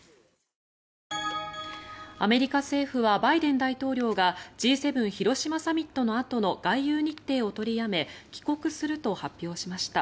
アメリカ政府はバイデン大統領がＧ７広島サミットのあとの外遊日程を取りやめ帰国すると発表しました。